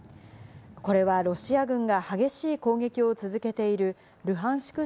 これは、ロシア軍が激しい攻撃を続けているルハンシク